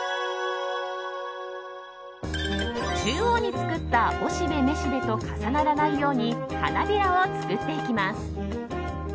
中央に作ったおしべ・めしべと重ならないように花びらを作っていきます。